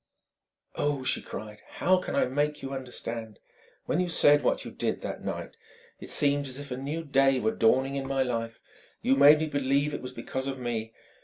"Oh!" she cried "how can I make you understand?... When you said what you did, that night it seemed as if a new day were dawning in my life. You made me believe it was because of me.